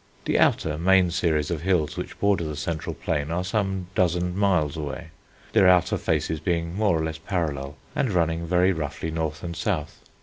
The outer, main series of hills which border the central plain, are some dozen miles away, their outer faces being more or less parallel and running very roughly north and south.